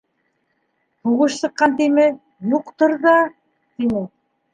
— Һуғыш сыҡҡан тиме, юҡтыр ҙа, — тине.